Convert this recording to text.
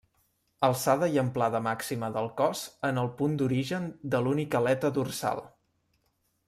Alçada i amplada màxima del cos en el punt d'origen de l'única aleta dorsal.